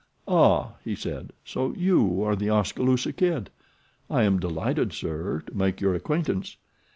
"Ah," he said, "so you are The Oskaloosa Kid! I am delighted, sir, to make your acquaintance.